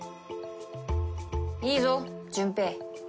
いいぞ順平。